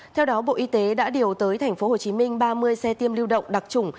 theo đó bộ y tế đã điều tới thành phố hồ chí minh ba mươi xe tiêm lưu động đặc trùng